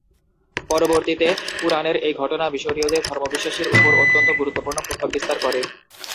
পরবর্তীতে পুরাণের এই ঘটনা মিশরীয়দের ধর্মবিশ্বাসের উপর অত্যন্ত গুরুত্বপূর্ণ প্রভাব বিস্তার করে।